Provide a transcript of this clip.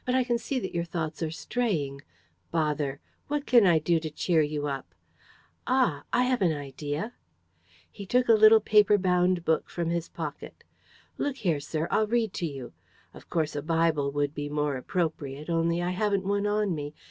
But I can see that your thoughts are straying. Bother! What can I do to cheer you up? Ah, I have an idea! ..." He took a little paper bound book from his pocket: "Look here, sir, I'll read to you. Of course, a Bible would be more appropriate; only I haven't one on me.